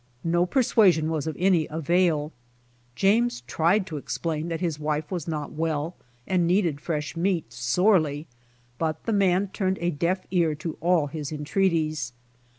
No persuasion was of any avail. James tried to explain that his wife was not well and needed fresh meat sorely, but the man turned a deaf ear to all his entreaties.